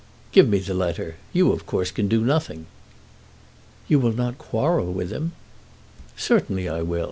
"Give me the letter. You, of course, can do nothing." "You will not quarrel with him?" "Certainly I will.